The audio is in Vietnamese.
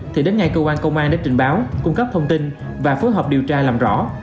thì đến ngay cơ quan công an để trình báo cung cấp thông tin và phối hợp điều tra làm rõ